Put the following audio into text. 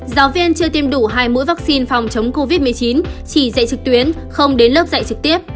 giáo viên chưa tiêm đủ hai mũi vaccine phòng chống covid một mươi chín chỉ dạy trực tuyến không đến lớp dạy trực tiếp